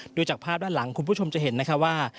ดูจากภาพด้านหลังคุณผู้ชมจะเห็นนะคะว่า